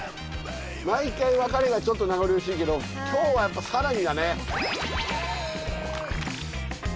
毎回別れがちょっと名残惜しいけど今日はやっぱ更にだね。